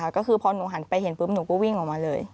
ก็คือพอหนูหันไปเห็นปุ๊บหนูก็วิ่งออกมาเลย